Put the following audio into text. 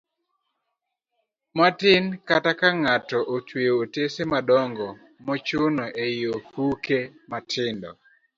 matin kata ka ng'ato otweyo otese madongo mochuno e ofuke matindo